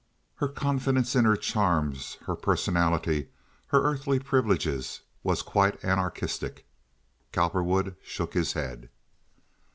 Her confidence in her charms, her personality, her earthly privileges was quite anarchistic. Cowperwood shook his head.